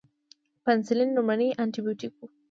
پنسلین لومړنی انټي بیوټیک و